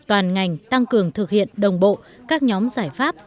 toàn ngành tăng cường thực hiện đồng bộ các nhóm giải pháp